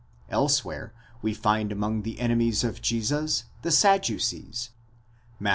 Elsewhere we find among the enemies of Jesus the Sadducees (Matt.